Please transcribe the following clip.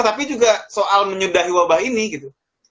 tapi juga soal menyudahi wabah ini gitu